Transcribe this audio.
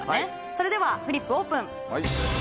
それではフリップ、オープン。